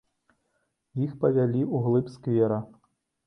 Іх павялі ўглыб сквера.